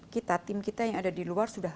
kita tim kita yang ada di luar negeri ini